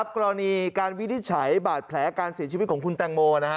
กรณีการวินิจฉัยบาดแผลการเสียชีวิตของคุณแตงโม